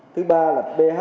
thứ ba là ph máu biến loạn âm